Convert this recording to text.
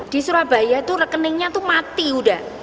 di surabaya itu rekeningnya itu mati udah